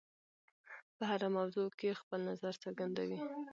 په هره موضوع کې خپل نظر څرګندوي.